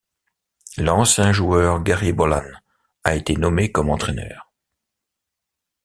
L'ancien joueur Gary Bollan a été nommé comme entraîneur.